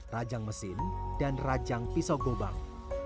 rajang mesin dan rajang pisau gobang